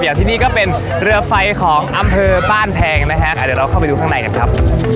เดี๋ยวที่นี่ก็เป็นเรือไฟของอำเภอบ้านแพงนะฮะเดี๋ยวเราเข้าไปดูข้างในกันครับ